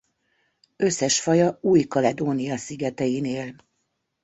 Összes faja Új-Kaledónia szigetein él.